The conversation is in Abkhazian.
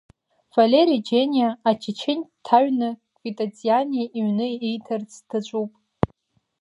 Валери Џьениа ачечен дҭаҩны Квитатиани иҩны ииҭарц даҿуп.